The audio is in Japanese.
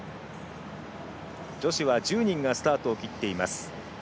女子は１０人がスタートを切っています。